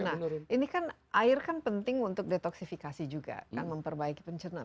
nah ini kan air kan penting untuk detoksifikasi juga kan memperbaiki pencernaan